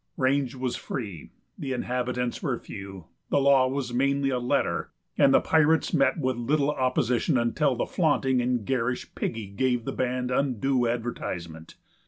Range was free; the inhabitants were few; the law was mainly a letter, and the pirates met with little opposition until the flaunting and garish Piggy gave the band undue advertisement.